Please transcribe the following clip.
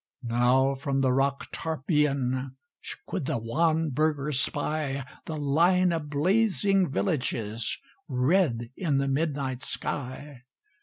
Now from the rock Tarpeian Could the wan burghers spy The line of blazing villages Red in the midnight sky.